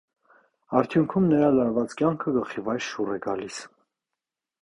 Արդյունքում նրա լարված կյանքը գլխիվայր շուռ է գալիս։